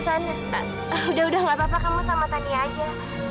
udah udah gak apa apa kamu sama tani aja